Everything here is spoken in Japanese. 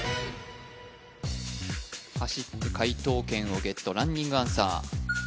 走って解答権をゲットランニングアンサー